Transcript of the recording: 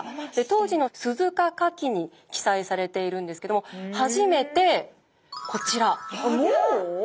当時の「鈴鹿家記」に記載されているんですけども初めてこちら。